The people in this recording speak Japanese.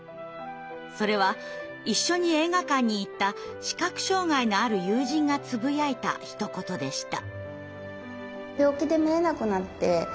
それは一緒に映画館に行った視覚障害のある友人がつぶやいたひと言でした。